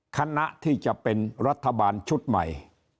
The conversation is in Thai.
คณะที่จะเป็นรัฐบาลชุดใหม่